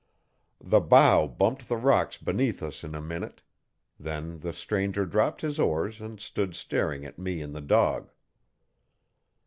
The bow bumped the rocks beneath us in a minute. Then the stranger dropped his oars and stood staring at me and the dog.